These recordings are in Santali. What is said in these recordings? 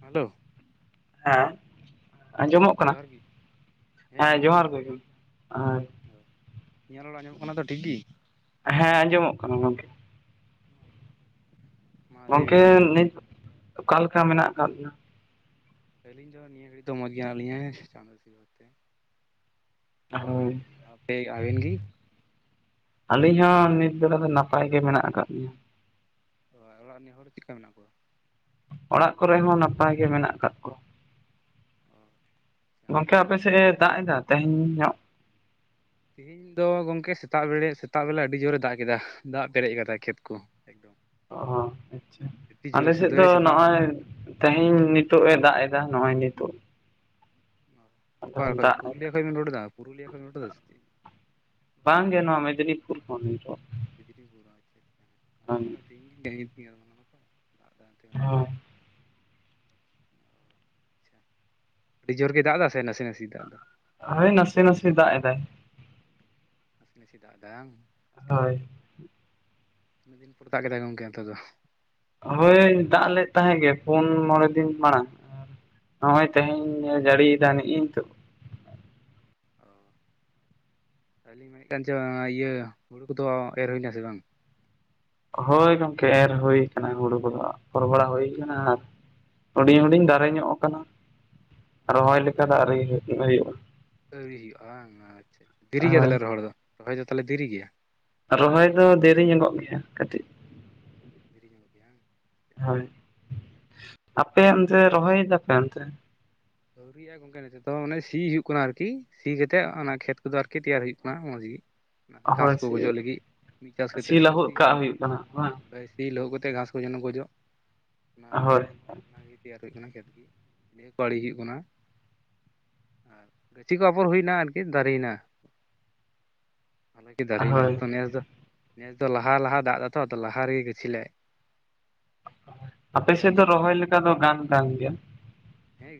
ᱦᱮᱞᱳ ᱦᱮᱸ ᱟᱸᱡᱚᱢᱚᱜ ᱠᱟᱱᱟ ᱡᱚᱦᱟᱨ ᱜᱮ ᱦᱮᱸ ᱡᱚᱦᱟᱨ ᱜᱮ ᱟᱸ ᱤᱧᱟᱜ ᱨᱚᱲ ᱟᱢᱚᱜ ᱠᱟᱱᱟ ᱛᱚ ᱴᱷᱤᱠ ᱜᱤ ᱦᱮᱸ ᱟᱸᱡᱚᱢᱚᱜ ᱠᱟᱱᱟ ᱜᱚᱝᱠᱮ ᱢᱟ ᱞᱟᱹᱭ ᱜᱚᱝᱠᱮ ᱵᱤᱱ ᱱᱤᱛ ᱚᱠᱟᱞᱮᱠᱟ ᱢᱮᱱᱟᱜ ᱟᱠᱟᱫ ᱵᱩᱱᱟ? ᱟᱞᱤᱧ ᱫᱚ ᱡᱤᱭᱟ ᱜᱟᱹᱲᱤ ᱫᱚ ᱢᱚᱫᱷᱮ ᱢᱮᱱᱟᱜ ᱛᱤᱧᱟ ᱦᱮ ᱥᱮ ᱪᱟᱸᱫᱚ ᱟᱹᱥᱤᱨᱵᱟᱫ ᱦᱳᱭ ᱛᱮ [unintelligible] ᱟᱵᱤᱱ ᱜᱮ ᱤᱧ ᱦᱚᱸ ᱱᱤᱛ ᱵᱮᱲᱟ ᱫᱚ ᱱᱟᱯᱟᱭ ᱜᱮ ᱢᱮᱱᱟᱜ ᱟᱠᱟᱫ ᱞᱤᱧᱟ᱾ ᱚᱲᱟᱜ ᱚᱲᱟᱜ ᱨᱤᱱ ᱦᱚᱲ ᱪᱮᱫᱠᱟ ᱢᱮᱱᱟᱜ ᱠᱚᱣᱟ? ᱚᱲᱟᱜ ᱠᱚᱨᱮ ᱦᱚᱸ ᱱᱟᱯᱟᱭ ᱜᱮ ᱢᱮᱱᱟᱜ ᱠᱟᱜ ᱠᱚᱣᱟ᱾ ᱚ ᱟᱪᱪᱷᱟ ᱜᱚᱝᱠᱮ ᱟᱯᱮ ᱱᱟᱯᱟᱭ ᱥᱮᱫᱼᱮ ᱛᱟᱦᱮᱱ ᱫᱟᱜ ᱮᱫᱟ ᱛᱮᱦᱮᱧ ᱧᱚᱜ? ᱛᱮᱦᱮᱧ ᱫᱚ ᱜᱚᱢᱠᱮ ᱥᱮᱛᱟᱜ ᱵᱮᱲᱮ ᱥᱮᱛᱟᱜ ᱵᱮᱞᱟ ᱟᱹᱰᱤ ᱡᱳᱨᱮ ᱫᱟᱜ ᱠᱮᱫᱟ ᱫᱟᱜ ᱯᱮᱨᱮᱡ ᱠᱟᱫᱟᱭ ᱠᱷᱮᱛ ᱠᱚ᱾ ᱮᱠᱫᱚᱢ ᱚ ᱟᱪᱪᱷᱟ ᱟᱹᱰᱤ ᱟᱞᱮ ᱡᱳᱨᱮ ᱥᱮᱫ ᱫᱚ ᱥᱩᱫᱷᱟᱹ ᱥᱮᱛᱟᱜ ᱱᱚᱜᱼᱚᱭ ᱛᱮᱦᱮᱧ ᱱᱤᱛᱚᱜᱼ ᱮ ᱫᱟᱜ ᱮ ᱱᱚᱼᱚᱭ ᱱᱤᱛᱚᱜ ᱟᱫᱚ ᱚᱠᱟ ᱠᱷᱚᱡ ᱫᱟᱜ ᱯᱩᱨᱩᱞᱤᱭᱟᱹ ᱠᱷᱚᱡ ᱵᱮᱱ ᱨᱚᱲ ᱮᱫᱟ ᱯᱩᱨᱩᱞᱤᱭᱟᱹ ᱠᱷᱚᱡ ᱵᱮᱱ ᱨᱚᱲ ᱮᱫᱟ ᱥᱮ ᱵᱟᱝ ᱜᱮ ᱱᱚᱣᱟ ᱢᱮᱫᱽᱱᱤ [unintelligible] [inaudible] [unintelligible] ᱟᱹᱰᱤ ᱡᱳᱨ ᱜᱮ ᱫᱟᱜ ᱫᱟ ᱥᱮ ᱱᱟᱥᱮ ᱱᱟᱥᱮ ᱫᱟᱜ ᱫᱟ ᱦᱮ ᱱᱟᱥᱮ ᱱᱟᱥᱮ ᱫᱟᱜ ᱮᱫᱟᱭ᱾ ᱱᱟᱥᱮ ᱱᱟᱥᱮ ᱫᱟᱜ ᱦᱟᱝ ᱦᱳᱭ ᱢᱤᱫᱤᱱᱯᱩᱨ ᱫᱟᱜ ᱠᱮᱫᱟᱭ ᱜᱚᱢᱠᱮ ᱚᱱᱛᱮ ᱫᱚ ᱦᱳᱭ ᱫᱟᱜ ᱞᱮᱫ ᱛᱟᱦᱮᱸᱜ ᱜᱮ ᱯᱳᱱ ᱢᱚᱬᱮ ᱫᱤᱱ ᱢᱟᱲᱟᱝ᱾ ᱱᱚᱜᱼᱚᱭ ᱚ ᱟᱪᱪᱷᱟ, ᱛᱮᱦᱮᱧ ᱡᱟᱹᱲᱤᱭᱮᱫᱟ ᱱᱤᱜ ᱛᱚᱜ ᱚ [inaudible] ᱟᱹᱞᱤᱧ ᱢᱮᱫ ᱴᱟᱝ ᱪᱚ ᱤᱭᱟᱹ ᱦᱩᱲᱩ ᱠᱚᱫᱚ ᱮᱨ ᱦᱩᱭᱱᱟ ᱥᱮ ᱵᱟᱝ? ᱦᱳᱭ ᱜᱚᱢᱠᱮ ᱮᱨ ᱦᱩᱭᱩ ᱠᱟᱱᱟ ᱦᱩᱲᱩ ᱠᱚᱫᱚ ᱟᱯᱚᱨ ᱵᱟᱲᱟ ᱦᱩᱭ ᱠᱟᱱᱟ ᱟᱨ ᱦᱩᱰᱤᱧ ᱦᱩᱰᱤᱧ ᱫᱟᱨᱮ ᱧᱚᱜ ᱠᱟᱱᱟ ᱚ ᱨᱚᱦᱚᱭ ᱛᱟᱦᱚᱞᱮ ᱞᱮᱠᱟ ᱫᱟ-ᱨᱮ ᱦᱩᱭᱩᱜᱼᱟ᱾ ᱟᱹᱣᱨᱤ ᱦᱩᱭᱩᱜᱼᱟ ᱟᱪᱪᱷᱟ ᱫᱮᱨᱤ ᱜᱮᱭᱟ ᱦᱳᱭ ᱛᱟᱦᱞᱮ ᱨᱚᱦᱚᱲ ᱫᱚ ᱨᱚᱦᱚᱭ ᱫᱚ ᱛᱟᱦᱞᱮ ᱫᱮᱨᱤ ᱜᱮᱭᱟ᱾ ᱨᱚᱦᱚᱭ ᱫᱚ ᱫᱮᱨᱤ ᱧᱚᱜᱚᱜ ᱜᱮᱭᱟ ᱠᱟᱹᱴᱤᱡ ᱫᱤᱨᱤᱭᱚᱜ ᱜᱮᱭᱟ? ᱦᱳᱭ ᱟᱯᱮ ᱚᱱᱛᱮ ᱨᱚᱦᱚᱭ ᱫᱟᱯᱮ ᱚᱱᱛᱮ? ᱟᱹᱣᱨ ᱜᱚᱝᱠᱮ ᱱᱤᱛᱚᱜ ᱫᱚ ᱚᱱᱮ ᱥᱤ ᱦᱩᱭᱩᱜ ᱠᱟᱱᱟ ᱟᱨᱠᱤ ᱥᱤ ᱠᱟᱛᱮᱫ ᱚᱱᱟ ᱠᱷᱮᱛ ᱠᱚᱫᱚ ᱟᱨᱠᱤ ᱛᱮᱭᱟᱨ ᱦᱩᱭᱩᱜ ᱠᱟᱱᱟ ᱢᱚᱸᱡᱽ ᱜᱮ᱾ ᱦᱳᱭ ᱜᱷᱟᱸᱥ ᱠᱚ ᱥᱤ ᱜᱚᱡᱚᱜ ᱞᱟᱹᱜᱤᱫ ᱢᱤᱫ ᱪᱟᱥ ᱠᱟᱛᱮᱫ ᱥᱤ ᱞᱟᱹᱦᱩᱫ ᱠᱟᱜ ᱦᱩᱭᱩᱜ ᱠᱟᱱᱟ ᱵᱟᱝ ᱦᱩᱭᱩᱜᱼᱟ ᱥᱤ ᱞᱟᱹᱦᱩᱫ ᱠᱟᱛ ᱜᱷᱟᱥ ᱠᱚ ᱡᱮᱱᱚ ᱜᱚᱡᱚᱜ ᱚᱱᱟ ᱦᱳᱭ ᱚᱱᱟᱜᱮ ᱛᱮᱭᱟᱨ ᱦᱩᱭᱩᱜ ᱠᱟᱱᱟ ᱠᱷᱮᱛ ᱠᱚ ᱟᱲᱮ ᱦᱩᱭᱩᱜ ᱚᱱᱟ ᱟᱨ ᱜᱟᱹᱪᱷᱤ ᱠᱚ ᱟᱯᱚᱨ ᱦᱩᱭᱱᱟ ᱟᱨᱠᱤ ᱫᱟᱨᱮᱭᱮᱱᱟ᱾ ᱟᱞᱠᱤ ᱫᱟᱨᱮᱱᱟ ᱦᱳᱭ ᱱᱤᱛᱚᱝ ᱱᱮᱥ ᱫᱚ ᱱᱮᱥ ᱫᱚ ᱞᱟᱦᱟ ᱞᱟᱦᱟ ᱫᱟᱜ ᱮᱫᱟᱛᱚ ᱟ ᱞᱟᱦᱟ ᱨᱮᱜᱮ ᱜᱟᱹᱪᱷᱤ ᱞᱮ ᱟᱯᱮ ᱮᱨ ᱥᱮᱫ ᱫᱚ ᱠᱟᱫᱟ ᱨᱚᱦᱚᱭ ᱞᱮᱠᱟ ᱫᱚ ᱜᱟᱱ ᱠᱟᱱ ᱜᱮᱭᱟ?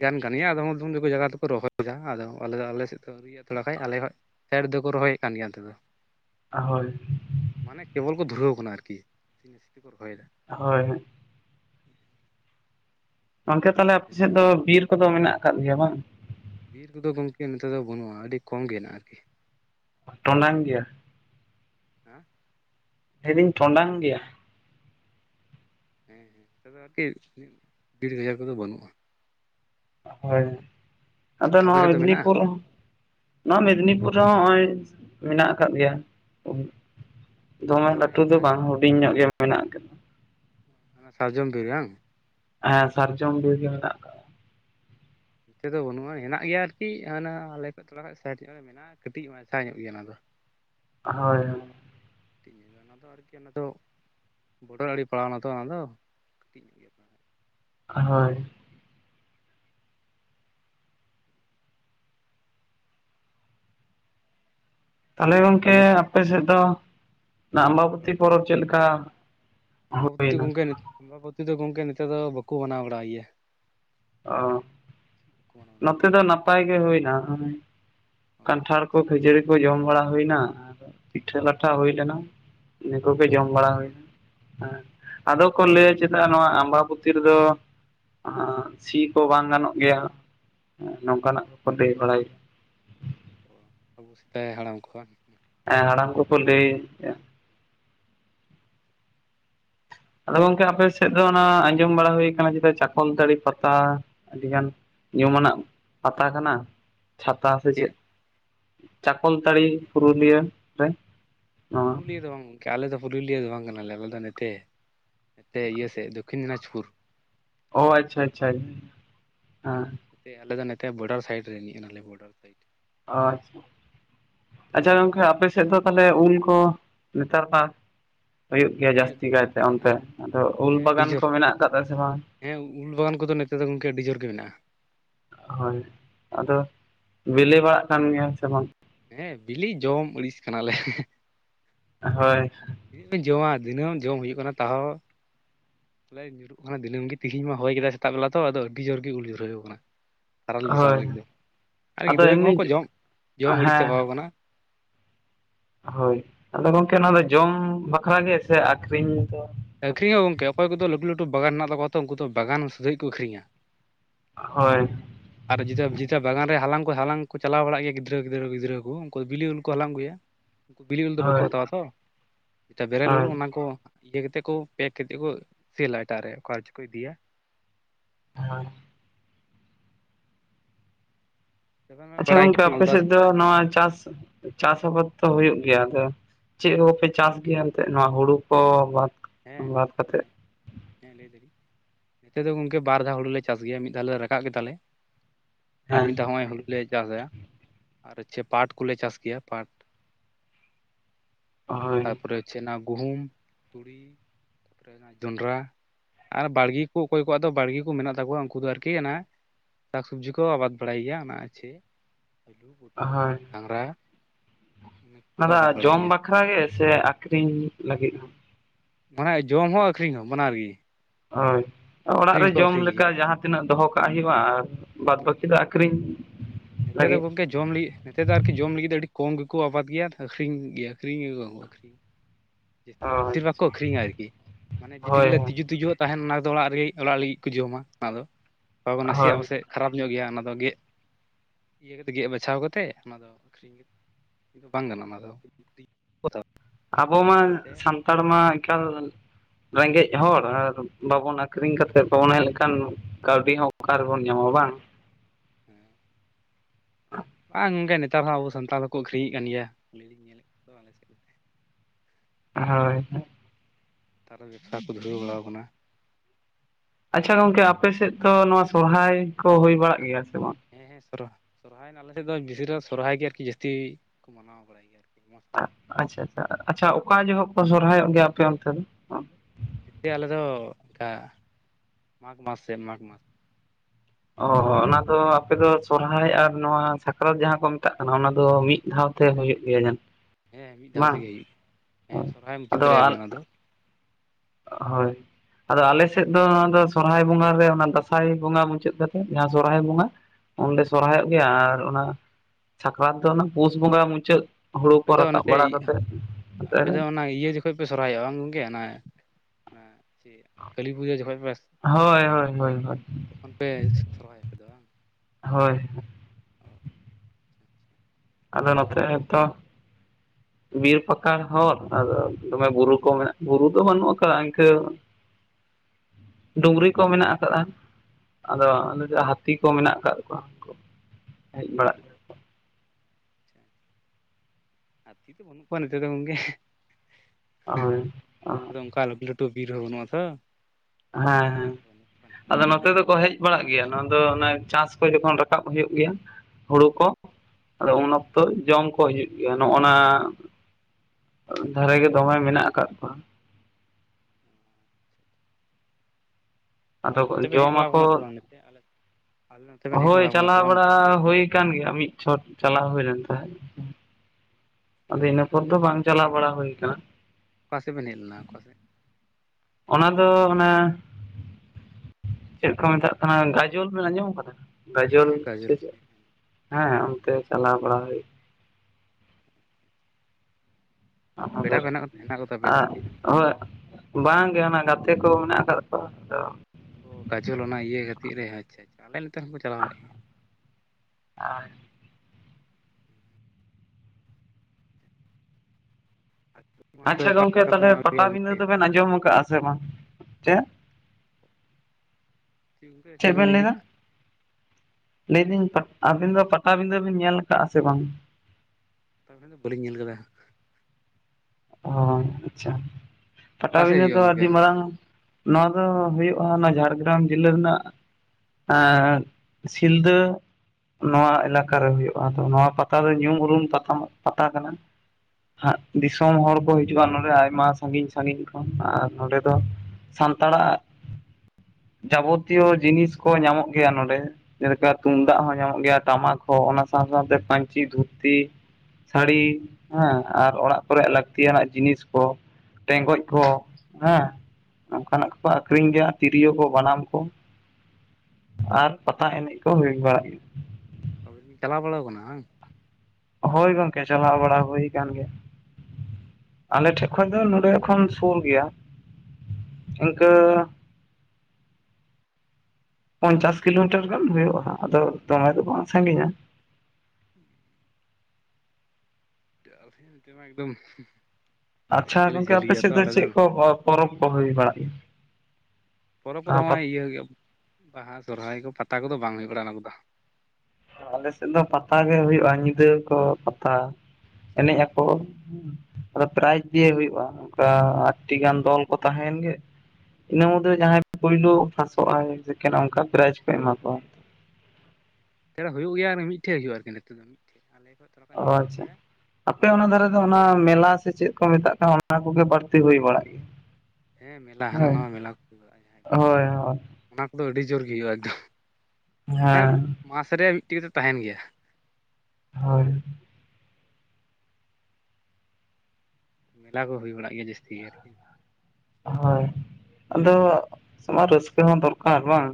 ᱡᱟᱦᱟ ᱨᱮᱧ ᱠᱟᱢᱤᱭᱟ ᱟᱫᱚ ᱩᱱ ᱫᱷᱩᱱ ᱫᱚᱠᱚ ᱡᱟᱜᱟᱣ ᱛᱮᱠᱚ ᱨᱚᱦᱚᱭᱟ ᱟᱫᱚ ᱟᱞᱮ ᱫᱚ ᱥᱮᱫ ᱫᱚ ᱟᱹᱣᱤᱭᱟᱹᱜ ᱛᱚᱲᱟ ᱠᱷᱟᱡ ᱟᱞᱮ ᱦᱚ ᱮᱨ ᱫᱚᱠᱚ ᱨᱚᱜ ᱫᱚᱦᱚᱭᱮᱫ ᱠᱟᱱ ᱜᱮᱭᱟ ᱛᱚᱵᱮ ᱦᱳᱭ ᱢᱟᱱᱮ ᱠᱮᱵᱚᱞ ᱠᱚ᱾ ᱫᱷᱩᱨᱟᱹᱣ ᱟᱠᱟᱱᱟ ᱠᱚ ᱟᱨᱠᱤ ᱛᱮᱠᱚ ᱨᱚᱦᱚᱭᱮᱫᱟ ᱦᱳᱭ! [inaudible] ᱜᱚᱝᱠᱮ ᱛᱟᱦᱞᱮ ᱟᱯᱮ ᱥᱮᱫ ᱫᱚ ᱵᱤᱨ ᱠᱩᱫᱚ ᱢᱮᱱᱟᱜ ᱟᱠᱟᱫ ᱜᱮᱭᱟ ᱵᱟᱝ? ᱵᱤᱨ ᱠᱩᱫᱚ ᱜᱚᱝᱠᱮ ᱱᱚᱛᱮ ᱫᱚ ᱵᱟᱹᱱᱩᱜᱼᱟ ᱟᱹᱰᱤ ᱠᱚᱢ ᱜᱮ ᱦᱮᱱᱟᱜ-ᱟ ᱟᱨᱠᱤ᱾ ᱰᱚᱱᱟᱝ ᱜᱮᱭᱟ᱾ ᱟ? ᱞᱟᱹᱭ ᱫᱟᱹᱧ ᱰᱚᱸᱴᱟᱝ ᱜᱮᱭᱟ? ᱦᱮᱸ ᱦᱮᱸ ᱱᱚᱛᱮ ᱫᱚ ᱟᱨᱠᱤ ᱵᱤᱨ ᱜᱟᱡᱟᱨ ᱠᱩᱫᱚ ᱵᱟᱹᱱᱩᱜᱼᱟ᱾ ᱦᱳᱭ ᱟᱫᱚ ᱟᱯᱮ ᱱᱚᱣᱟ ᱥᱮᱫ ᱫᱚ ᱢᱮᱱᱟᱜ-ᱟ ᱢᱮᱫᱽᱱᱤᱯᱩᱨ ᱱᱚᱣᱟ ᱢᱮᱫᱽᱱᱤᱯᱩᱨ ᱨᱮᱦ ᱦᱚᱸ ᱱᱚᱜᱚᱭ ᱢᱮᱱᱟᱜ ᱟᱠᱟᱫ ᱜᱮᱭᱟ᱾ ᱫᱚᱢᱮ ᱢᱟᱱᱮ ᱞᱟᱹᱴᱩ ᱫᱚ ᱵᱟᱝ ᱦᱩᱰᱤᱧ ᱧᱚᱜ ᱜᱮ ᱢᱮᱱᱟᱜ ᱠᱟᱫᱟ᱾ ᱚᱱᱟ ᱥᱟᱨᱡᱚᱢ ᱵᱤᱨ ᱦᱟᱝ? ᱦᱮᱸ ᱥᱟᱨᱡᱚᱢ ᱵᱤᱨ ᱨᱮ ᱢᱮᱱᱟᱜ ᱟᱠᱟᱫᱟ᱾ ᱱᱚᱛᱮ ᱫᱚ ᱵᱟᱹᱱᱩᱜ-ᱟ᱾ ᱦᱮᱱᱟᱜ ᱜᱤᱭᱟ ᱟᱨᱠᱤ ᱦᱟᱱᱟ ᱟᱞᱮ ᱠᱷᱚᱡ ᱛᱷᱩᱲᱟ ᱜᱟᱡ ᱥᱟᱭᱤᱰ ᱧᱚᱜ ᱨᱮ ᱢᱮᱱᱟᱜᱼᱟ ᱠᱟᱹᱴᱤᱡ ᱢᱟᱪᱷᱟ ᱧᱚᱜ ᱜᱮᱭᱟ ᱚᱱᱟ ᱫᱚ᱾ ᱦᱳᱭ᱾ ᱪᱮᱫ ᱤᱧ ᱢᱮᱱ ᱱᱟ ᱚᱱᱟ ᱫᱚ ᱟᱨᱠᱤ ᱚᱱᱟ ᱫᱚ᱾ ᱵᱚᱰᱟᱨ ᱟᱲᱤ ᱯᱟᱲᱟᱣᱱᱟ ᱛᱷᱚ ᱚᱱᱟ ᱫᱚ ᱠᱟᱹᱴᱤᱡ ᱧᱚᱜ ᱜᱮᱭᱟ᱾ ᱦᱳᱭ᱾ ᱛᱟᱦᱮᱞᱮ ᱜᱚᱝᱠᱮ ᱛᱟᱦᱚᱞᱮ ᱠᱷᱩᱵ ᱟᱯᱮ ᱥᱮᱫ ᱫᱚ᱾ ᱟᱢᱵᱟ ᱵᱚᱛᱤ ᱯᱚᱨᱚᱵᱽ ᱪᱮᱫ ᱞᱮᱠᱟ ᱟᱢᱵᱟ ᱵᱚᱛᱤ ᱦᱩᱭᱱᱟ ᱜᱚᱝᱠᱮ ᱱᱚᱛᱮ ᱟᱢᱵᱟ ᱵᱚᱛᱤ ᱫᱚ ᱜᱚᱝᱠᱮ ᱱᱚᱛᱮ ᱫᱚ ᱵᱟᱠᱚ ᱢᱟᱱᱟᱣ ᱵᱟᱲᱟᱭ ᱜᱤᱭᱟ᱾ ᱚ ᱱᱚᱛᱮ ᱫᱚ ᱱᱟᱯᱟᱭ ᱜᱮ ᱦᱩᱭᱱᱟ᱾ ᱠᱟᱱᱴᱷᱟᱲ ᱠᱚ ᱠᱷᱟᱹᱡᱟᱹᱲᱤ ᱠᱚ ᱡᱚᱢ ᱵᱟᱲᱟ ᱦᱩᱭᱱᱟ ᱟᱨ ᱯᱤᱴᱷᱟᱹ ᱞᱟᱴᱷᱟ ᱦᱳᱭ ᱞᱮᱱᱟ᱾ ᱤᱱᱟᱹ ᱠᱚᱜᱮ ᱡᱚᱢ ᱵᱟᱲᱟ ᱦᱩᱭᱱᱟ ᱦᱮᱸ ᱟᱫᱚ ᱠᱚ ᱞᱟᱹᱭ ᱠᱮᱫᱟ ᱱᱚᱣᱟ ᱟᱢᱵᱟ ᱯᱚᱛᱤ ᱨᱮᱫᱚ - ᱟᱸ ᱥᱤ ᱠᱚ ᱵᱟᱝ ᱜᱟᱱᱚᱜ ᱜᱮᱭᱟ ᱱᱚᱝᱠᱟᱱᱟᱜ ᱠᱚᱠᱚ ᱞᱟᱹᱭ ᱵᱟᱲᱟᱭ - ᱚ ᱟᱵᱩ ᱥᱮᱫᱟᱭ ᱦᱟᱲᱟᱢ ᱠᱚᱣᱟᱜ᱾ ᱦᱮᱸ ᱦᱟᱲᱟᱢ ᱠᱚᱠᱚ ᱞᱟᱹᱭ ᱜᱮᱭᱟ᱾ ᱟᱫᱚ ᱜᱚᱝᱠᱮ ᱟᱯᱮ ᱥᱮᱫ ᱫᱚ ᱚᱱᱟ ᱟᱸᱡᱚᱢ ᱵᱟᱲᱟ ᱦᱩᱭ ᱠᱟᱱᱟ ᱪᱮᱛᱟ ᱪᱟᱠᱚᱞ ᱛᱟᱲᱤ ᱯᱟᱛᱟ ᱟᱹᱰᱤᱜᱟᱱ - ᱧᱩᱢ ᱟᱱᱟᱜ ᱯᱟᱛᱟ ᱠᱟᱱᱟ᱾ ᱪᱷᱟᱛᱟ ᱥᱮ ᱪᱮᱫ ᱪᱟᱠᱚᱞ ᱪᱮᱫ ᱛᱟᱹᱲᱤ ᱜᱚᱝᱠᱮ ᱯᱩᱨᱩᱞᱤᱭᱟᱹ ᱨᱮ᱾ ᱱᱚᱣᱟ ᱯᱩᱨᱩᱞᱤᱭᱟᱹ ᱫᱚ ᱵᱟᱝ ᱜᱚᱝᱠᱮ ᱟᱞᱮ ᱫᱚ᱾ ᱯᱩᱨᱩᱞᱤᱭᱟᱹ ᱫᱚ ᱵᱟᱝ ᱠᱟᱱᱟ ᱞᱮ ᱵᱚᱞᱮ ᱱᱮᱛᱮ ᱱᱮᱛᱮ ᱤᱭᱟᱹ ᱥᱮᱫ ᱫᱚᱠᱠᱷᱤᱱ ᱫᱤᱱᱟᱡᱽᱯᱩᱨ᱾ ᱚ ᱟᱪᱪᱷᱟ ᱟᱪᱪᱷᱟ ᱦᱮᱸ ᱮᱱᱛᱮ ᱟᱞᱮ ᱫᱚ ᱱᱮᱛᱮ ᱵᱚᱰᱟᱨ [unintelligible] ᱥᱟᱭᱤᱰ ᱨᱮ ᱱᱤᱡ ᱠᱟᱱᱟ ᱞᱮ ᱵᱚᱰᱟᱨ ᱥᱟᱭᱤᱰ ᱚ ᱟᱪᱪᱷᱟ ᱟᱪᱪᱷᱟ ᱜᱚᱝᱠᱮ ᱵᱟᱝᱞᱟᱫᱮᱥ ᱵᱚᱰᱟᱨ᱾ ᱟᱯᱮ ᱥᱮᱫ ᱫᱚ ᱛᱟᱦᱮᱞᱮ ᱩᱞ ᱠᱚ- [unintelligible] ᱱᱤᱛᱟᱨ ᱯᱟ- ᱦᱩᱭᱩᱜ ᱜᱮᱭᱟ ᱦᱮᱸ ᱡᱟᱹᱥᱛᱤ ᱠᱟᱭᱛᱮ ᱚᱱᱛᱮ ᱦᱮᱸ ᱟᱫᱚ ᱩᱞ ᱦᱮᱸ ᱟᱹᱰᱤ ᱵᱟᱜᱟᱱ ᱡᱳᱨ ᱠᱚ ᱢᱮᱱᱟᱜ ᱟᱠᱟᱫᱛᱟ ᱥᱮ ᱵᱟᱝ᱾ ᱦᱮᱸ ᱩ ᱩᱞ ᱵᱟᱜᱟᱱ ᱠᱩᱫᱚ ᱱᱚᱛᱮ ᱫᱚ ᱜᱚᱝᱠᱮ ᱟᱹᱰᱤ ᱡᱳᱨ ᱜᱮ ᱢᱮᱱᱟᱜᱼᱟ ᱦᱳᱭ ᱟᱫᱚ ᱵᱮᱞᱮ ᱵᱟᱲᱟᱜ ᱠᱟᱱ ᱜᱮᱭᱟ ᱥᱮ ᱵᱟᱝ ᱦᱮᱸ ᱵᱤᱞᱤ ᱡᱚᱢ ᱟᱹᱲᱤᱥ ᱠᱟᱱᱟ ᱞᱮ ᱦᱳᱭ ᱤᱱᱟᱹᱧ ᱡᱚᱢᱟ ᱫᱤᱱᱟᱹᱢ ᱡᱚᱢ ᱦᱩᱭᱩᱜ ᱠᱟᱱᱟ ᱛᱟᱣᱚ ᱛᱟᱦᱚᱞᱮ ᱧᱩᱨᱩᱜ ᱠᱟᱱᱟ ᱫᱤᱱᱟᱹᱢ ᱜᱮ ᱛᱤᱦᱤᱧ ᱢᱟ ᱦᱚᱭ ᱠᱮᱫᱟ ᱥᱮᱛᱟᱜ [inaudible] ᱵᱮᱞᱟ ᱛᱷᱚ ᱟᱫᱚ ᱟᱹᱰᱤ ᱡᱳᱨ ᱜᱮ ᱩᱞ ᱧᱩᱨᱦᱟᱹᱣ ᱠᱟᱱᱟ ᱛᱟᱨᱟᱞ ᱦᱳᱭ ᱵᱟᱥᱟᱞ ᱮᱠᱫᱚᱢ ᱟᱨ ᱟᱫᱚ ᱜᱤᱫᱽᱨᱟᱹ ᱮᱢᱱᱤ ᱠᱩᱦᱚᱸ ᱠᱚ ᱡᱚᱢ ᱡᱚᱢ ᱟᱹᱲᱤᱥ ᱦᱮᱸ ᱪᱟᱵᱟᱣ ᱠᱟᱱᱟ ᱦᱳᱭ ᱟᱫᱚ ᱜᱚᱝᱠᱮ ᱱᱚᱣᱟ ᱫᱚ ᱡᱚᱢ ᱵᱟᱠᱷᱨᱟ ᱜᱮ ᱥᱮ ᱟᱠᱷᱨᱤᱧ ᱫᱚ- ᱟᱹᱠᱷᱨᱤᱧ ᱦᱚᱸ ᱜᱚᱝᱠᱮ ᱚᱠᱚᱭ ᱠᱩᱫᱚ ᱞᱟᱹᱴᱩ ᱞᱟᱹᱴᱩ ᱵᱟᱜᱟᱱ ᱢᱮᱱᱟᱜ ᱛᱟᱠᱚᱣᱟ ᱛᱷᱚ ᱩᱱᱠᱩ ᱫᱚ ᱵᱟᱜᱟᱱ ᱥᱩᱫᱷᱟᱹᱡ ᱠᱚ ᱟᱹᱠᱷᱨᱤᱧ-ᱟ ᱦᱳᱭ ᱟᱨ ᱡᱩᱫᱟᱹ ᱡᱩᱫᱟᱹ [unintelligible] ᱵᱟᱜᱟᱱ ᱨᱮ ᱦᱟᱞᱟᱝ- ᱚᱠᱚᱭ ᱦᱟᱞᱟᱝ ᱠᱚ ᱪᱟᱞᱟᱣ ᱵᱟᱲᱟᱜ ᱜᱮᱭᱟ ᱜᱤᱫᱽᱨᱟᱹ ᱜᱤᱫᱽᱨᱟᱹ ᱜᱤᱫᱽᱨᱟᱹ ᱠᱚ ᱩᱱᱠᱩ ᱫᱚ ᱵᱤᱞᱤ ᱩᱞ ᱠᱚ ᱦᱟᱞᱟᱝ ᱟᱹᱜᱩᱭ-ᱟ ᱩᱱᱠᱩ ᱵᱤᱞᱤ ᱩᱞ ᱫᱚ ᱵᱟᱹᱠᱩ ᱦᱳᱭ ᱦᱟᱛᱟᱣ ᱟ ᱛᱷᱚ ᱡᱮᱴᱟ [inaudible] ᱵᱮᱨᱮᱞ ᱩᱞ ᱦᱳᱭ ᱚᱱᱟ ᱠᱚ ᱤᱭᱟᱹ ᱠᱟᱛᱮᱜ ᱯᱮᱠ ᱠᱟᱛᱮ ᱠᱚ ᱥᱮᱞᱟ ᱮᱴᱟᱜ ᱨᱮ ᱚᱠᱟ ᱨᱮᱪᱚ ᱠᱚ ᱤᱫᱤᱭᱟ ᱦᱳᱸᱭ ᱛᱚᱵᱮ ᱢᱟ ᱟᱪᱪᱷᱟ ᱵᱟᱲᱟᱭ ᱜᱚᱝᱠᱮ ᱜᱮᱭᱟᱢ ᱢᱟᱞᱫᱟ ᱟᱯᱮᱥᱮᱫ ᱫᱚ ᱱᱚᱣᱟ ᱪᱟᱥ ᱪᱟᱥ ᱟᱵᱟᱫ ᱛᱚ ᱦᱩᱭᱩᱜ ᱜᱮᱭᱟ ᱟᱫᱚ ᱪᱮᱫ ᱠᱚᱯᱮ ᱪᱟᱥ ᱜᱮᱭᱟ ᱮᱱᱛᱮᱫ ᱱᱚᱣᱟ ᱦᱩᱲᱩ ᱠᱚ ᱵᱟ ᱦᱮᱸ ᱦᱮᱸ ᱦᱮᱸ ᱞᱟᱹᱭ ᱫᱟᱞᱤᱧ ᱱᱤᱛᱮ ᱫᱚ ᱜᱚᱢᱠᱮ ᱵᱟᱨ ᱫᱷᱟᱣ ᱦᱩᱲᱩᱞᱮ ᱪᱟᱥ ᱜᱮᱭᱟ ᱢᱤᱫ ᱫᱷᱟᱣ ᱞᱮ ᱨᱟᱠᱟᱵ ᱠᱮᱫᱛᱟᱞᱮ ᱟᱨ ᱦᱮᱸ ᱢᱤᱫ ᱫᱷᱟᱣ ᱦᱚᱸ ᱱᱚᱜᱼᱚᱭ ᱦᱩᱲᱩ ᱞᱮ ᱪᱟᱥᱟ ᱟᱨ ᱦᱚᱪᱪᱷᱮ ᱯᱟᱴ ᱠᱚᱞᱮ ᱪᱟᱥ ᱜᱮᱭᱟ ᱯᱟᱴ ᱦᱳᱭ ᱛᱟᱨᱯᱚᱨᱮ ᱦᱚᱪᱪᱮ ᱮᱱᱟ ᱜᱩᱦᱩᱢ ᱛᱩᱲᱤ ᱛᱟᱨᱯᱚᱨᱮ ᱚᱱᱟ ᱡᱚᱸᱰᱨᱟ ᱟᱨ ᱵᱟᱲᱜᱮ ᱠᱚ ᱚᱠᱚᱭ ᱠᱚᱣᱟᱜ ᱫᱚ ᱵᱟᱲᱜᱮ ᱠᱚ ᱢᱮᱱᱟᱜ ᱛᱟᱠᱚᱣᱟ ᱩᱱᱠᱩ ᱫᱚ ᱟᱨᱠᱤ ᱚᱱᱟ ᱥᱟᱠᱥᱚᱵᱽᱡᱤ ᱠᱚ ᱟᱵᱟᱫᱽ ᱵᱟᱲᱟᱭ ᱜᱮᱭᱟ ᱚᱱᱟ ᱟᱪᱪᱷᱮ ᱟᱹᱞᱩ ᱯᱚᱴᱚᱞ ᱦᱳᱭ ᱜᱷᱟᱸᱝᱨᱟ ᱚᱱᱟ ᱫᱚ ᱡᱚᱢ ᱜᱮᱭᱟ ᱵᱟᱠᱷᱨᱟ ᱜᱮ ᱥᱮ ᱟᱠᱷᱨᱤᱧ ᱞᱟᱹᱜᱤᱫ ᱦᱚᱸ ᱢᱟᱱᱮ ᱡᱚᱢ ᱦᱚᱸ ᱟᱹᱷᱨᱤᱧ ᱦᱚᱸ ᱵᱟᱱᱟᱨ ᱜᱮ ᱦᱳᱭ ᱚᱲᱟᱜ ᱟᱹᱠᱷᱨᱤᱧ ᱨᱮ ᱦᱚᱸᱠᱚ ᱡᱚᱢ ᱟᱹᱠᱷᱨᱤᱧ ᱜᱮᱭᱟ ᱞᱮᱠᱟ ᱡᱟᱦᱟᱸ ᱛᱤᱱᱟᱹᱜ ᱫᱚᱦᱚ ᱠᱟᱜ ᱦᱩᱭᱩᱜᱼᱟ ᱟᱨ ᱵᱟᱫᱽ ᱵᱟᱹᱠᱤ ᱫᱚ ᱟᱠᱷᱨᱤᱧ ᱱᱮᱛᱮ ᱫᱚ ᱞᱟᱹᱜᱤᱫ ᱜᱚᱝᱠᱮ ᱡᱚᱢ ᱞᱟᱹᱜᱤᱫ ᱱᱮᱛᱮ ᱫᱚ ᱟᱨᱠᱤ ᱡᱚᱢ ᱞᱟᱹᱜᱤᱫ ᱫᱚ ᱟᱹᱰᱤ ᱠᱚᱢ ᱜᱮᱠᱚ ᱟᱵᱟᱫ ᱜᱮᱭᱟ ᱟᱹᱠᱷᱨᱤᱧ ᱜᱮᱭᱟ ᱟᱹᱠᱷᱨᱤᱧ ᱜᱮᱠᱚ ᱟᱹᱷᱨᱤᱧ ᱡᱟᱹᱥᱛᱤ ᱦᱳᱭ ᱵᱮᱥᱤᱨ ᱵᱷᱟᱠ ᱠᱚ ᱟᱹᱠᱷᱨᱤᱧᱟ ᱟᱨᱠᱤ ᱢᱟᱱᱮ ᱦᱳᱭ ᱡᱮᱴᱮᱞᱮ ᱛᱤᱡᱩ ᱛᱤᱡᱩᱜᱣᱟᱜ ᱛᱟᱦᱮᱱ ᱚᱱᱟ ᱫᱚ ᱚᱲᱟᱜ ᱨᱮᱜᱮ ᱚᱲᱟᱜ ᱞᱟᱹᱜᱤᱫ ᱠᱚ ᱡᱚᱢᱟ ᱚᱱᱟ ᱫᱚ ᱱᱟᱥᱮᱭᱟᱜ ᱦᱳᱭ ᱯᱟᱥᱮᱡ ᱠᱷᱟᱨᱟᱯ ᱧᱚᱜ ᱜᱮᱭᱟ ᱚᱱᱟ ᱫᱚ ᱜᱮᱫ ᱤᱭᱟᱹ ᱠᱟᱛᱮᱜ ᱜᱮᱫ ᱵᱟᱪᱷᱟᱣ ᱠᱟᱛᱮᱫ ᱚᱱᱟ ᱫᱚ ᱟᱹᱠᱷᱨᱤᱧ ᱠᱟᱛᱮ ᱫᱚ ᱵᱟᱝ ᱜᱟᱱᱚᱜᱼᱟ ᱚᱱᱟ ᱫᱚ ᱟᱵᱚ ᱢᱟ ᱚᱱᱟᱛᱮ ᱥᱟᱱᱛᱟᱲ ᱢᱟ ᱮᱠᱟᱞ ᱨᱮᱸᱜᱮᱡ ᱦᱚᱲ ᱟᱨ ᱵᱟᱵᱚᱱ ᱟᱹᱠᱷᱨᱤᱧ ᱠᱟᱛᱮ ᱵᱟᱵᱚᱱ ᱦᱮᱡ ᱞᱮᱠᱷᱟᱱ ᱠᱟᱹᱣᱰᱤ ᱦᱚᱸ ᱚᱠᱟ ᱨᱮᱵᱚᱱ ᱧᱟᱢᱟ ᱵᱟᱝ ᱵᱟᱝ ᱜᱚᱝᱠᱮ ᱱᱮᱛᱟᱨ ᱦᱚᱸ ᱟᱵᱚ ᱥᱟᱱᱛᱟᱲ ᱦᱚᱸᱠᱚ ᱟᱹᱠᱷᱨᱤᱧᱮᱫ ᱠᱟᱱ ᱜᱮᱭᱟ ᱤᱧ ᱧᱮᱞᱮᱫ ᱠᱚ ᱟ ᱦᱳᱭ ᱦᱳᱭ ᱛᱟᱦᱚᱞᱮ ᱵᱮᱵᱽᱥᱟ ᱠᱚ ᱫᱷᱩᱨᱟᱹᱣ ᱵᱟᱲᱟᱣ ᱠᱟᱱᱟ ᱟᱪᱪᱷᱟ ᱜᱚᱝᱠᱮ ᱟᱯᱮ ᱥᱮᱫ ᱫᱚ ᱱᱚᱣᱟ ᱥᱚᱨᱦᱟᱭ ᱠᱚ ᱦᱩᱭ ᱵᱟᱲᱟᱜ ᱜᱮᱭᱟ ᱥᱮ ᱵᱟᱝ ᱦᱮᱸ ᱦᱮᱸ ᱥᱚᱨ ᱥᱚᱨᱦᱟᱭ ᱟᱞᱮ ᱥᱮᱫ ᱫᱚ ᱵᱮᱥᱤᱨᱵᱷᱟᱠ ᱥᱚᱨᱦᱟᱭ ᱜᱮ ᱟᱨᱠᱤ ᱡᱟᱹᱥᱛᱤ ᱠᱚ ᱢᱟᱱᱟᱣ ᱵᱟᱲᱟᱭ ᱜᱮᱭᱟ ᱟᱨᱠᱤ ᱢᱚᱡᱽ ᱛᱮ ᱟᱪᱪᱷᱟ ᱟᱪᱪᱷᱟ ᱟᱪᱪᱷᱟ ᱚᱠᱟ ᱡᱚᱦᱚᱜ ᱠᱚ ᱥᱚᱨᱦᱟᱭᱚᱜ ᱜᱮᱭᱟ ᱟᱯᱮ ᱚᱱᱛᱮ ᱫᱚ ᱜᱚᱝᱠᱮ ᱟᱞᱮ ᱫᱚ ᱚᱱᱠᱟ ᱢᱟᱜᱽ ᱢᱟᱥ ᱥᱮᱫ ᱢᱟᱜᱽ ᱢᱟᱥ ᱚ ᱚᱱᱟ ᱫᱚ ᱟᱯᱮ ᱫᱚ ᱥᱚᱨᱦᱟᱭ ᱟᱨ ᱱᱚᱣᱟ ᱥᱟᱠᱨᱟᱛ ᱡᱟᱦᱟᱸ ᱠᱚ ᱢᱮᱛᱟᱜ ᱠᱟᱱᱟ ᱚᱱᱟ ᱫᱚ ᱢᱤᱫ ᱫᱷᱟᱣ [unintelligible] ᱦᱩᱭᱩᱜ ᱜᱮᱭᱟ ᱡᱟᱹᱱᱤᱡ᱾ ᱦᱮᱸ ᱢᱤᱫ ᱫᱷᱟᱣ ᱵᱟᱝ ᱛᱮᱜᱮ ᱦᱩᱭᱩᱜ ᱜᱮᱭᱟ᱾ ᱦᱳᱭ ᱦᱮᱸ ᱥᱚᱨᱦᱟᱭ ᱟᱫᱚ ᱢᱩᱪᱟᱹᱫ ᱨᱮᱭᱟᱜ ᱜᱮ ᱚᱱᱟ ᱫᱚ᱾ ᱦᱳᱭ᱾ ᱟᱫᱚ ᱟᱞᱮ ᱥᱮᱫ ᱫᱚ ᱱᱚᱣᱟ ᱫᱚ ᱥᱚᱨᱦᱟᱭ ᱵᱚᱸᱜᱟ ᱨᱮ ᱚᱱᱟ ᱫᱟᱸᱥᱟᱭ ᱵᱚᱸᱜᱟ ᱢᱩᱪᱟᱹᱫ ᱠᱟᱛᱮᱜ ᱡᱟᱦᱟᱸ ᱥᱚᱨᱦᱟᱭ ᱵᱚᱸᱜᱟ᱾ ᱚᱸᱰᱮ ᱥᱚᱨᱦᱟᱭᱚᱜ ᱜᱮᱭᱟ ᱟᱨ ᱚᱱᱟ ᱥᱟᱠᱨᱟᱛ ᱫᱚ ᱚᱱᱟ ᱯᱩᱥ ᱵᱚᱸᱜᱟ ᱢᱩᱪᱟᱹᱫ᱾ ᱦᱩᱲᱩ ᱠᱚ ᱟᱯᱮ ᱫᱚ ᱨᱟᱠᱟᱵ ᱱᱚᱛᱮ ᱵᱟᱲᱟ ᱠᱟᱛᱮᱫ ᱟᱯᱮ ᱫᱚ ᱚᱱᱟ ᱤᱭᱟᱹ ᱡᱚᱠᱷᱚᱱ ᱯᱮ ᱥᱚᱨᱦᱟᱭᱚᱜᱼᱟ ᱵᱟᱝ ᱜᱚᱢᱠᱮ ᱚᱱᱟ [inaudible] ᱠᱟᱹᱞᱤ ᱯᱩᱡᱟᱹ ᱡᱚᱠᱷᱚᱱ ᱯᱮ ᱦᱳᱭ ᱦᱳᱭ ᱦᱳᱭ ᱛᱚᱠᱷᱚᱱ ᱯᱮ [inaudible] ᱦᱳᱭ᱾ ᱚ ᱟᱪᱪᱷᱟ ᱟᱫᱚ ᱱᱚᱛᱮ ᱱᱤᱛᱚᱜ ᱵᱤᱨ ᱯᱟᱠᱟᱲ ᱦᱚᱨ ᱟᱫᱚ ᱫᱚᱢᱮ ᱵᱩᱨᱩ ᱠᱚ ᱢᱮᱱᱟᱜᱼᱟ᱾ ᱵᱩᱨᱩ ᱫᱚ ᱵᱟᱹᱱᱩᱜ ᱟᱠᱟᱜ-ᱟ ᱤᱱᱠᱟᱹ ᱰᱩᱝᱨᱤ ᱠᱚ ᱢᱮᱱᱟᱜ ᱟᱠᱟᱜᱼᱟ᱾ ᱟᱫᱚ [unintelligible] ᱦᱟᱹᱛᱤ ᱠᱚ ᱢᱮᱱᱟᱜ ᱠᱟᱜ ᱠᱚᱣᱟ ᱩᱱᱠᱩ ᱦᱮᱡ ᱵᱟᱲᱟᱜ ᱟᱪᱪᱷᱟ ᱚ ᱟᱪᱪᱷᱟ ᱦᱟᱹᱛᱤ ᱫᱚ ᱵᱟᱹᱱᱩᱜ ᱠᱚᱣᱟ ᱱᱚᱛᱮ ᱫᱚ ᱜᱚᱢᱠᱮ [unintelligible] ᱦᱳᱭ ᱦᱮᱸ ᱵᱤᱨ ᱦᱚᱸ ᱵᱟᱹᱱᱩᱜᱼᱟ ᱛᱚ! ᱦᱮᱸ ᱦᱮᱸ ᱫᱚ ᱵᱟᱹᱱᱩᱜ ᱠᱚᱣᱟ ᱫᱚ ᱟᱫᱚ ᱱᱚᱛᱮ ᱫᱚᱠᱚ ᱦᱮᱡ ᱵᱟᱲᱟᱜ ᱜᱮᱭᱟ ᱱᱚᱣᱟ ᱫᱚ ᱚᱱᱟ ᱪᱟᱥ ᱠᱚ ᱡᱚᱠᱷᱚᱱ ᱨᱟᱠᱟᱵ ᱦᱩᱭᱩᱜ ᱜᱮᱭᱟ ᱦᱩᱲᱩ ᱠᱚ᱾ ᱟᱫᱚ ᱩᱱ ᱚᱠᱛᱚ ᱡᱚᱢ ᱠᱚ ᱦᱤᱡᱩᱜ ᱜᱮᱭᱟ ᱱᱚᱜᱼᱱᱟ [unintelligible] ᱫᱷᱟᱨᱮ ᱜᱮ ᱫᱚᱢᱮ ᱢᱮᱱᱟᱜ ᱟᱠᱟᱜ ᱠᱚᱣᱟ᱾ ᱟᱫᱚ ᱟᱨ ᱱᱚᱛᱮ ᱵᱮᱱ ᱦᱮᱡ ᱵᱟᱲᱟᱣ ᱠᱟᱱᱟ ᱥᱮ ᱡᱚᱢᱟᱠᱚ ᱵᱟᱝ [inaudible] ᱱᱚᱛᱮ ᱵᱮᱱ ᱦᱮᱡ ᱦᱳᱭ ᱵᱟᱲᱟᱣ ᱠᱟᱱᱟ ᱥᱮ ᱪᱟᱞᱟᱣ ᱵᱟᱝ ᱵᱟᱲᱟ ᱦᱩᱭ ᱟᱠᱟᱱ ᱜᱮᱭᱟ ᱢᱤᱫ ᱪᱷᱚᱴ ᱪᱟᱞᱟᱣ ᱦᱩᱭ ᱞᱮᱱ ᱛᱟᱦᱮᱸᱫ᱾ ᱟᱫᱚ ᱤᱱᱟᱹ ᱯᱚᱨ ᱫᱚ ᱵᱟᱝ ᱪᱟᱞᱟᱣ ᱵᱟᱲᱟ ᱦᱩᱭ ᱟᱠᱟᱱᱟ? ᱚᱠᱟ ᱥᱮᱫ ᱵᱮᱱ ᱦᱮᱡ ᱞᱮᱱᱟ [inaudible] ᱚᱱᱟ ᱫᱚ ᱚᱱᱟ ᱪᱮᱫ ᱠᱚ ᱢᱮᱛᱟᱜ ᱠᱟᱱᱟ ᱜᱷᱟᱡᱚᱞ ᱵᱮᱱ ᱟᱸᱡᱚᱢ ᱠᱟᱫᱟ? ᱦᱮᱸ ᱜᱟᱡᱚᱞ ᱦᱮᱸ ᱥᱮ ᱪᱮᱫ? ᱦᱮᱸ ᱦᱮᱸ ᱚᱱᱛᱮ ᱪᱟᱞᱟᱣ ᱵᱟᱲᱟ ᱦᱩᱭᱩᱜ [unintelligible] ᱯᱮᱲᱟ ᱠᱚ ᱦᱮᱱᱟᱜ ᱠᱚ ᱦᱮᱱᱟᱜ ᱠᱚᱛᱟ ᱯᱮᱭᱟ ᱥᱮ ᱪᱮᱫ ᱚᱱᱛᱮ ᱫᱚ? [unintelligible] ᱢᱮᱱᱟᱜ ᱟᱠᱟᱫ ᱠᱚᱣᱟ [unintelligible] [inaudible] ᱜᱟᱡᱚᱞ ᱚᱱᱟ ᱤᱭᱟᱹ ᱜᱷᱟᱹᱛᱤᱜ ᱨᱮ [unintelligible] ᱪᱮᱫ ᱠᱚ ᱪᱟᱞᱟᱣ ᱮᱫ-ᱟ? ᱚᱱᱟ ᱠᱚᱫᱚ ᱟᱪᱪᱷᱟ ᱚᱠᱟ ᱜᱚᱝᱠᱮ ᱞᱮᱠᱟ ᱯᱮ ᱛᱟᱦᱞᱮ ᱢᱟᱱᱟᱣ ᱜᱮᱭᱟ ᱯᱟᱛᱟᱵᱤᱸᱫᱷᱟᱹ ᱜᱚᱝᱠᱮ ᱫᱚᱵᱮᱱ ᱟᱸᱡᱚᱢ ᱟᱠᱟᱫᱼᱟ ᱥᱮ ᱵᱟᱝ? ᱪᱮᱫ? ᱪᱮᱫ ᱵᱮᱱ ᱞᱟᱹᱭ ᱠᱮᱫᱟ? ᱞᱟᱹᱭ ᱫᱟᱹᱧ ᱟᱹᱵᱤᱱ ᱫᱚ ᱯᱟᱛᱟᱵᱤᱸᱫᱷᱟᱹ ᱵᱤᱱ ᱧᱮᱞ ᱟᱠᱟᱫᱼᱟ ᱥᱮ ᱵᱟᱝ? [inaudible] ᱵᱟᱹᱞᱤᱧ ᱧᱮᱞ ᱠᱟᱫᱟ᱾ ᱚᱻ ᱟᱪᱪᱷᱟ᱾ ᱚᱠᱟ ᱥᱮᱫ ᱯᱟᱴᱟᱵᱤᱸᱫᱷᱟᱹ ᱦᱩᱭᱩᱜᱼᱟ ᱫᱚ ᱜᱚᱝᱠᱮ ᱟᱹᱰᱤ ᱚᱱᱟ ᱢᱟᱨᱟᱝ ᱱᱚᱣᱟ ᱫᱚ ᱦᱩᱭᱩᱜᱼᱟ ᱱᱚᱣᱟ ᱡᱷᱟᱲᱜᱨᱟᱢ ᱡᱮᱟᱹ ᱨᱮᱱᱟᱜ ᱟᱸᱻ ᱥᱤᱞᱫᱟᱹ᱾ ᱱᱚᱣᱟ ᱮᱞᱟᱠᱟᱨᱮ ᱦᱩᱭᱩᱜᱼᱟ ᱟᱫᱚ ᱱᱚᱣᱟ ᱯᱟᱛᱟ ᱫᱚ ᱧᱩᱢ ᱩᱨᱩᱢ ᱯᱟᱛᱟᱢ ᱯᱟᱛᱟ ᱠᱟᱱᱟ᱾ ᱦᱟᱜ ᱫᱤᱥᱚᱢ ᱦᱚᱲ ᱠᱚ ᱦᱤᱡᱩᱜᱼᱟ ᱱᱚᱰᱮ ᱟᱭᱢᱟ ᱥᱟᱺᱜᱤᱧ-ᱥᱟᱺᱜᱤᱧ ᱠᱷᱚᱱ ᱟᱨ ᱱᱚᱸᱰᱮ ᱫᱚ ᱥᱟᱱᱛᱟᱲᱟᱜ ᱡᱟᱵᱚᱛᱤᱭᱟᱹ ᱡᱤᱱᱤᱥ ᱠᱚ ᱧᱟᱢᱚᱜ ᱜᱮᱭᱟ ᱱᱚᱰᱮ᱾ ᱡᱮᱞᱮᱠᱟ ᱛᱩᱢᱫᱟᱜ ᱦᱚᱸ ᱧᱟᱢᱚᱜ ᱜᱮᱭᱟ ᱴᱟᱢᱟᱠ ᱦᱚᱸ ᱚᱱᱟ [unintelligible] [unintelligible] ᱥᱟᱶᱛᱮ ᱯᱟᱹᱧᱪᱤ ᱫᱷᱩᱛᱤ ᱥᱟᱹᱲᱤ ᱦᱮᱸ ᱟᱨ ᱚᱲᱟᱜ [unintelligible] ᱞᱟᱹᱠᱛᱤᱭᱟᱱᱟᱜ ᱡᱤᱱᱤᱥ ᱠᱚ ᱴᱮᱸᱜᱚᱡ ᱠᱚ ᱦᱮᱸ᱾ ᱚᱱᱠᱟᱱᱟᱜ ᱠᱚᱠᱚ ᱟᱹᱠᱷᱨᱤᱧ ᱜᱮᱭᱟ ᱛᱤᱨᱭᱳ ᱠᱚ ᱵᱟᱱᱟᱢ ᱠᱚ᱾ ᱟᱨ ᱯᱟᱛᱟ ᱮᱱᱮᱡ ᱠᱚ ᱵᱷᱤᱲ ᱵᱟᱲᱟᱜ ᱪᱟᱞᱟᱣ ᱵᱟᱲᱟᱣ ᱟᱠᱟᱱᱟᱢ ᱟᱢ? ᱦᱳᱭ ᱜᱚᱢᱠᱮ ᱪᱟᱞᱟᱣ ᱵᱟᱲᱟ ᱦᱩᱭ ᱟᱠᱟᱱ ᱜᱮᱭᱟ᱾ ᱟᱞᱮ ᱴᱷᱮᱱ ᱠᱷᱚᱱ ᱫᱚ ᱱᱚᱰᱮ ᱠᱷᱚᱱ ᱥᱩᱨ ᱜᱮᱭᱟ᱾ ᱤᱱᱠᱟᱹ ᱯᱚᱧᱪᱟᱥ ᱠᱤᱞᱳᱢᱤᱴᱟᱨ ᱜᱟᱱ ᱦᱩᱭᱩᱜᱼᱟ ᱟᱫᱚ ᱫᱚᱢᱮ ᱫᱚ ᱵᱟᱝ ᱥᱟᱺᱜᱤᱧᱟ᱾ [inaudible] ᱢᱟ ᱮᱠᱫᱚᱢ ᱟᱹᱰᱤ ᱟᱪᱪᱷᱟ ᱜᱮᱞᱮ ᱜᱚᱝᱠᱮ ᱡᱷᱟᱹᱞ ᱟᱯᱮ ᱜᱮᱭᱟ ᱥᱮᱫ ᱛᱚ ᱫᱚ ᱟᱞᱮ ᱪᱮᱫ ᱠᱚ ᱯᱚᱨᱚᱵᱽ ᱠᱚ ᱦᱩᱭ ᱵᱟᱲᱟᱜ ᱜᱮᱭᱟ? ᱯᱚᱨᱚᱵᱽ ᱠᱚᱫᱚ ᱦᱚᱸᱜᱼᱚᱭ ᱤᱭᱟᱹ ᱜᱮᱭᱟ ᱵᱟᱦᱟ ᱥᱚᱦᱨᱟᱭ ᱠᱚ ᱯᱟᱛᱟ ᱠᱚᱫᱚ ᱵᱟᱝ ᱦᱩᱭᱩᱜ ᱵᱟᱲᱟᱜᱼᱟ ᱚᱱᱟ ᱠᱚᱫᱚ ᱟᱞᱮ ᱥᱮᱫ ᱫᱚ ᱯᱟᱛᱟ ᱜᱮ ᱦᱩᱭᱩᱜᱼᱟ ᱧᱤᱫᱟᱹ ᱠᱚ ᱯᱟᱛᱟ ᱮᱱᱮᱡ ᱟᱠᱚ ᱟᱫᱚ ᱯᱨᱟᱭᱤᱡᱽ ᱫᱤᱭᱮ ᱦᱩᱭᱩᱜᱼᱟ ᱚᱱᱠᱟ ᱟᱴᱴᱤ ᱜᱟᱱ ᱫᱚᱞ ᱠᱚ ᱛᱟᱦᱮᱭᱮᱱ ᱜᱮ ᱤᱱᱟᱹ ᱢᱩᱫᱽ ᱨᱮ ᱡᱟᱦᱟᱸᱭ ᱯᱳᱭᱞᱳ ᱯᱷᱟᱥᱚᱜ ᱟᱭ ᱥᱮᱠᱮᱱᱚᱜ ᱟᱭ ᱚᱱᱠᱟ ᱯᱨᱟᱭᱤᱡᱽ ᱠᱚ ᱮᱢᱟ ᱠᱚᱣᱟ᱾ [inaudible] [unintelligible] ᱦᱩᱭᱩᱜ ᱜᱮᱭᱟ ᱢᱤᱫᱴᱷᱮᱱ ᱦᱩᱭᱩᱜᱼᱟ ᱟᱨᱠᱤ ᱱᱤᱛ ᱫᱚ ᱢᱤᱫᱴᱷᱮᱱ ᱚ ᱟᱪᱪᱷᱟ ᱟᱯᱮ ᱚᱸᱰᱮ ᱚᱱᱟ ᱫᱷᱟᱨᱮ ᱢᱤᱫᱴᱷᱮᱡ ᱫᱚ ᱦᱩᱭ ᱚᱱᱟ ᱵᱟᱲᱟᱜᱼᱟ ᱢᱮᱞᱟ ᱥᱮ ᱪᱮᱫ ᱠᱚ ᱢᱮᱛᱟᱜ ᱠᱟᱱᱟ ᱚᱱᱟ ᱠᱚᱜᱮ ᱵᱟᱹᱲᱛᱤ ᱦᱩᱭ ᱵᱟᱲᱟᱜ ᱜᱮᱭᱟ᱾ ᱦᱮᱸ ᱢᱮᱞᱟ ᱦᱟᱱᱟ ᱱᱟ ᱦᱮᱸ ᱢᱮᱞᱟ ᱠᱚ ᱦᱩᱭᱩᱜᱼᱟ ᱡᱟᱦᱟᱸ ᱫᱚ ᱦᱳᱭ ᱦᱳᱭ ᱚᱱᱟ ᱠᱚᱫᱚ ᱟᱹᱰᱤ ᱡᱳᱨ ᱜᱮ ᱦᱩᱭᱩᱜᱼᱟ᱾ ᱢᱟᱱᱮ ᱦᱮᱸ ᱢᱟᱥ ᱨᱮ ᱢᱤᱫᱴᱤᱡ ᱠᱟᱛᱮ ᱛᱟᱦᱮᱱ ᱜᱮᱭᱟ᱾ ᱦᱳᱭ ᱢᱮᱞᱟ ᱠᱚ ᱦᱩᱭ ᱵᱟᱲᱟᱜ ᱜᱮᱭᱟ ᱡᱟᱹᱥᱛᱤ ᱟᱨᱠᱤ ᱦᱳᱭ ᱟᱫᱚ ᱟᱢᱟᱜ ᱨᱟᱹᱥᱠᱟᱹ ᱦᱚᱸ ᱫᱚᱨᱠᱟᱨ ᱵᱟᱝ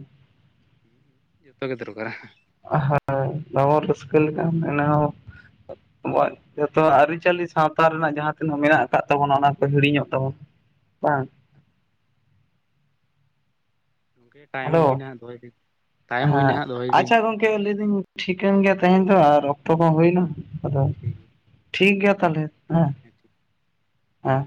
ᱡᱚᱛᱚ ᱜᱮ ᱫᱚᱨᱠᱟᱨᱟ ᱦᱮᱸ [unintelligible] ᱨᱟᱹᱥᱠᱟᱹ ᱞᱮᱠᱟ ᱮ ᱦᱚᱸ ᱟᱵᱚᱣᱟᱜ ᱡᱚᱛᱚ ᱟᱹᱨᱤᱪᱟᱹᱞᱤ ᱥᱟᱶᱛᱟ ᱨᱮᱱᱟᱜ ᱡᱟᱦᱟᱸ ᱛᱤᱱᱟᱹᱜ ᱢᱮᱱᱟᱜ-ᱟ ᱠᱟᱜ ᱛᱟᱵᱚᱱᱟ ᱚᱱᱟ ᱠᱚ ᱦᱤᱲᱤᱧᱚᱜ ᱛᱟᱵᱚ ᱵᱟᱝ ᱜᱚᱝᱠᱮ ᱴᱟᱭᱤᱢ ᱦᱮᱞᱳ ᱦᱩᱭᱱᱟ ᱫᱚᱦᱚᱭ ᱵᱤᱱ ᱴᱟᱭᱤᱢ ᱦᱩᱭᱱᱟ ᱦᱮᱸ ᱦᱟᱸᱜ ᱫᱚᱦᱚᱭ ᱵᱤᱱ ᱟᱪᱪᱷᱟ ᱜᱚᱝᱠᱮ ᱞᱟᱹᱭᱫᱟᱹᱧ ᱴᱷᱤᱠᱟᱹᱱ ᱜᱮᱭᱟ ᱛᱮᱦᱮᱧ ᱫᱚ ᱟᱨ ᱚᱠᱛᱚ ᱠᱚ ᱦᱩᱭᱱᱟ ᱟᱫᱚ ᱴᱷᱤᱠ ᱜᱮᱭᱟ ᱛᱟᱦᱚᱞᱮ ᱦᱮᱸ ᱟᱪᱪᱷᱟ ᱦᱮᱸ